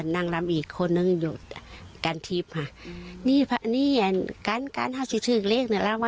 นั่งนั่งวันนี้แล้ว